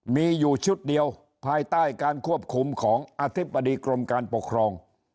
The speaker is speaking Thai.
มีอยู่ชุดเดียวภายใต้การควบคุมของอธิบดีกรมการปกครอง